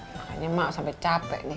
makanya mak sampai capek nih